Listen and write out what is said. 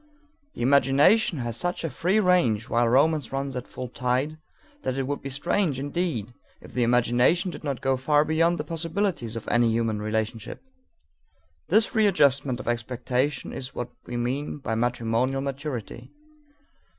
The imagination has such a free range while romance runs at full tide that it would be strange indeed if the imagination did not go far beyond the possibilities of any human relationship. This readjustment of expectation is what we mean by matrimonial maturity.